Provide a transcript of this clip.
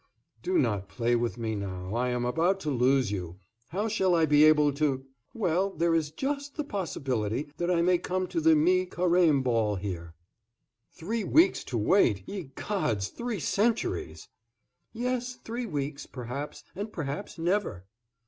"Do not play with me now. I am about to lose you. How shall I be able to " "Well, there is just the possibility that I may come to the Mi Carême ball here." "Three weeks to wait! Ye gods, three centuries!" "Yes, three weeks, perhaps, and perhaps never."